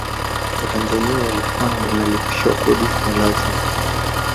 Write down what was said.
watanzania walikuwa wanalipishwa kodi kwa lazima